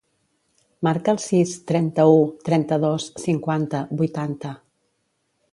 Marca el sis, trenta-u, trenta-dos, cinquanta, vuitanta.